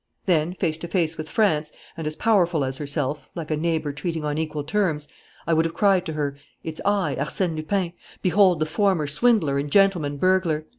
"Then, face to face with France and as powerful as herself, like a neighbour treating on equal terms, I would have cried to her, 'It's I, Arsène Lupin! Behold the former swindler and gentleman burglar!